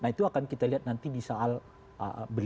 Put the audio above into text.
itu akan kita lihat nanti di saat beliau akan datang pada hari penutupan